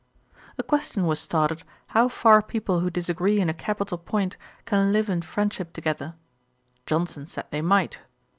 A question was started, how far people who disagree in a capital point can live in friendship together. Johnson said they might.